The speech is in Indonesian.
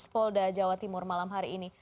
polda jawa timur malam hari ini